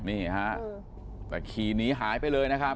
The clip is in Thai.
นี่ฮะแต่ขี่หนีหายไปเลยนะครับ